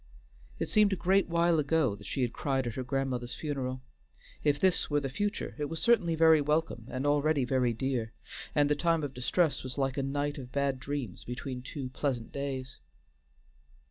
It seemed a great while ago that she had cried at her grandmother's funeral. If this were the future it was certainly very welcome and already very dear, and the time of distress was like a night of bad dreams between two pleasant days.